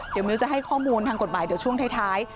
เดี๋ยวมิ้วจะให้ข้อมูลทางกฎหมายเดี๋ยวช่วงท้าย